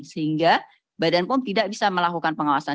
sehingga badan pom tidak bisa melakukan pengawasan